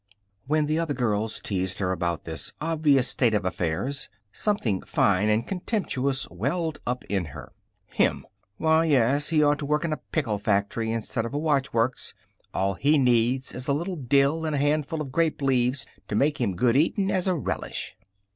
When the other girls teased her about this obvious state of affairs, something fine and contemptuous welled up in her. "Him! Why, say, he ought to work in a pickle factory instead of a watchworks. All he needs is a little dill and a handful of grape leaves to make him good eatin' as a relish."